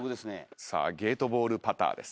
さあゲートボールパターです。